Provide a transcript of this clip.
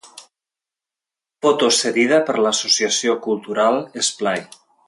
Foto cedida per l'Associació Cultural Esplai.